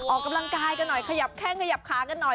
ออกกำลังกายกันหน่อยขยับแข้งขยับขากันหน่อย